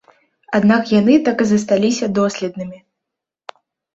Аднак яны так і засталіся доследнымі.